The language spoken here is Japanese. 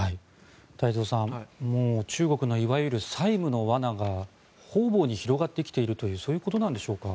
太蔵さん、中国のいわゆる債務の罠が方々に広がってきているというそういうことなんでしょうか。